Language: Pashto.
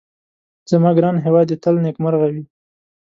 زما ګران هيواد دي تل نيکمرغه وي